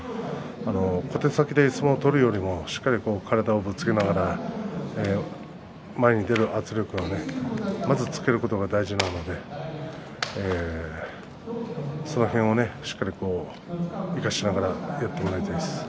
小手先で相撲を取るよりもしっかり体をぶつけながら前に出る圧力まずつけることが大事なのでその辺をしっかりと生かしながらやってもらいたいです。